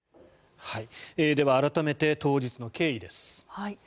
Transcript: では改めて当日の経緯です。